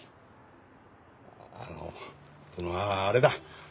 あのそのあれだ。